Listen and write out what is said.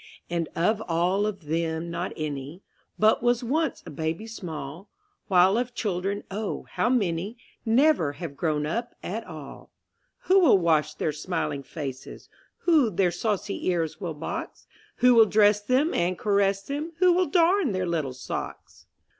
And of all of them not any But was once a baby small; While of children, oh, how many Never have grown up at all. Previous Index Next Page 5—Baby Rhymes Who will wash their smiling faces? Who their saucy ears will box? Who will dress them and caress them? Who will darn their little socks?